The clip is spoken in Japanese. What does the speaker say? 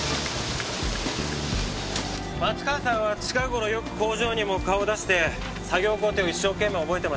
松川さんは近頃よく工場にも顔を出して作業工程を一生懸命覚えてました。